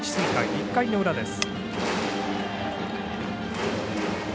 １回の裏です。